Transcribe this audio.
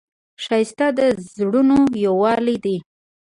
ښایست د زړونو یووالی دی